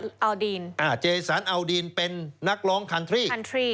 เอาดีนเจสันเอาดีนเป็นนักร้องคันทรีคันทรี